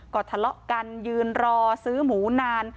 ก็ทะเลาะกันยืนรอซื้อหมูนาน